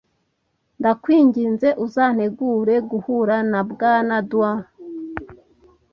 Ndakwinginze uzantegure guhura na Bwana Doi?